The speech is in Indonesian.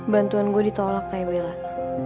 bantuan gue ditolak kayak bela